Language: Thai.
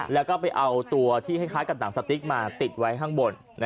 แล้วก็ไปเอาตัวที่คล้ายกับหนังสติ๊กมาติดไว้ข้างบน